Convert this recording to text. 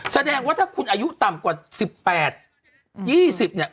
แสดงว่าถ้าคุณอายุต่ำกว่าสิบแปดยี่สิบเนี่ย